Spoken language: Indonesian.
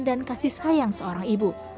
dan kasih sayang seorang ibu